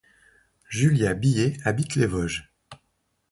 Julia Billet habite les Vosges.